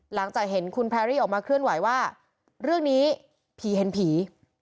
หลังจากเห็นคุณแพรรี่ออกมาเคลื่อนไหวว่าเรื่องนี้ผีเห็นผี